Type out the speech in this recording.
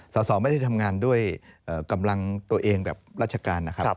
สอบไม่ได้ทำงานด้วยกำลังตัวเองแบบราชการนะครับ